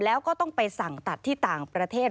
แล้วก็ต้องไปสั่งตัดที่ต่างประเทศ